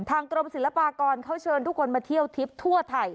กรมศิลปากรเขาเชิญทุกคนมาเที่ยวทิพย์ทั่วไทย